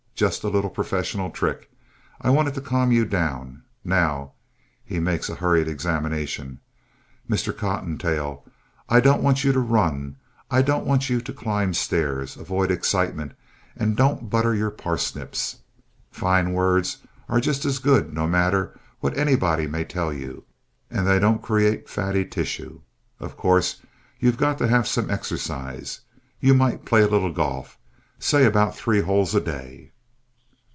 Just a little professional trick. I wanted to calm you down. Now (he makes a hurried examination), Mr. Cottontail, I don't want you to run. I don't want you to climb stairs. Avoid excitement and don't butter your parsnips. Fine words are just as good, no matter what anybody may tell you, and they don't create fatty tissue. Of course, you've got to have some exercise. You might play a little golf. Say, about three holes a day.